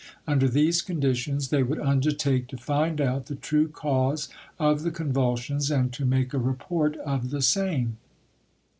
Under these conditions they would undertake to find out the true cause of the convulsions and to make a report of the same.